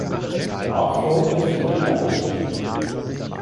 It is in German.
Nachfolgend vier Beispiele.